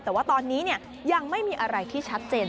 แต่ว่าตอนนี้ยังไม่มีอะไรที่ชัดเจน